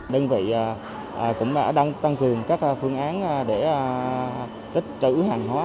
đơn vị cũng đang tăng cường các phương án để tích trữ hàng hóa